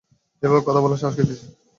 এভাবে কথা বলার সাহস কে দিয়েছে?